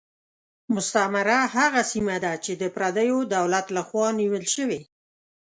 مستعمره هغه سیمه ده چې د پردیو دولت له خوا نیول شوې.